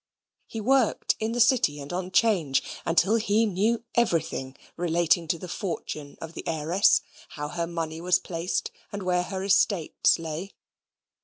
He worked in the City and on 'Change, until he knew everything relating to the fortune of the heiress, how her money was placed, and where her estates lay.